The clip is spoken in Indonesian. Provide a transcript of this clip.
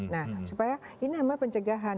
nah supaya ini sama pencegahan